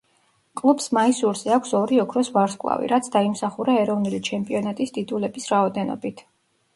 კლუბს მაისურზე აქვს ორი ოქროს ვარსკვლავი, რაც დაიმსახურა ეროვნული ჩემპიონატის ტიტულების რაოდენობით.